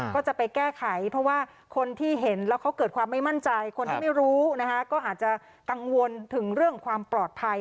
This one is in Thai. ก็จะไปแก้ไขเพราะว่าคนที่เห็นแล้วเขาเกิดความไม่มั่นใจคนที่ไม่รู้นะคะก็อาจจะกังวลถึงเรื่องความปลอดภัย